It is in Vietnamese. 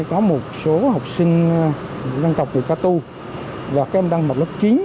có một số học sinh dân tộc của cát tu và các em đang vào lớp chín